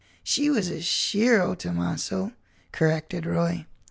"She was a shero, Tomasso," corrected Roy.